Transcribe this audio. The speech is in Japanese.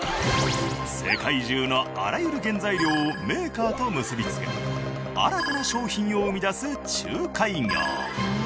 世界中のあらゆる原材料をメーカーと結びつけ新たな商品を生み出す仲介業。